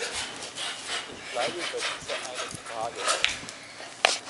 Ich bleibe bei dieser einen Frage.